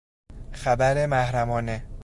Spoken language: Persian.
خبر محرمانه